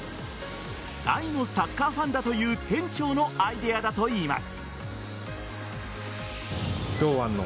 大のサッカーファンだという店長のアイデアだといいます。